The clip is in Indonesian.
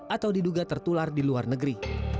atau diduga tertular di luar negeri